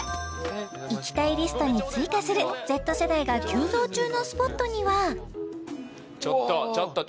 行きたいリストに追加するＺ世代が急増中のスポットにはうわえっ？